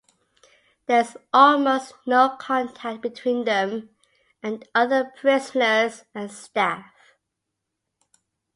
There is almost no contact between them and other prisoners and staff.